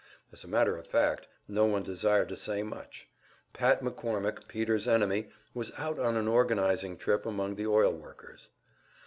As a matter of fact, no one desired to say much. Pat McCormick, Peter's enemy, was out on an organizing trip among the oil workers.